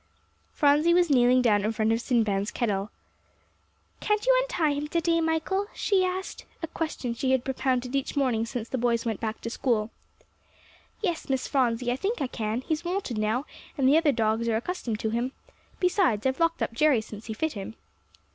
Phronsie was kneeling down in front of Sinbad's kennel. "Can't you untie him to day, Michael?" she asked, a question she had propounded each morning since the boys went back to school. "Yes, Miss Phronsie, I think I can; he's wonted now, and the other dogs are accustomed to him. Besides, I've locked up Jerry since he fit him."